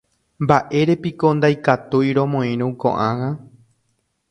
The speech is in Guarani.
Mba'érepiko ndaikatúi romoirũ ko'ág̃a